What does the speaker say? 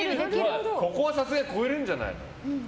ここはさすがに超えるんじゃない？